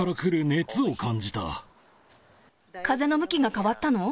風の向きが変わったの？